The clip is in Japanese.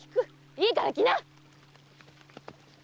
いいから来な！